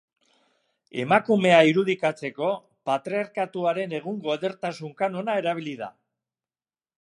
Emakumea irudikatzeko patriarkatuaren egungo edertasun-kanona erabili da.